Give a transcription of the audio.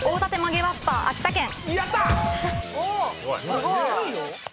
すごいよ。